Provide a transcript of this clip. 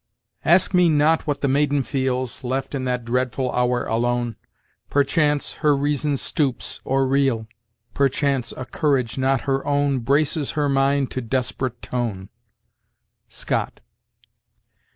"Ask me not what the maiden feels, Left in that dreadful hour alone: Perchance, her reason stoops, or reel! Perchance, a courage not her own Braces her mind to desperate tone." Scott.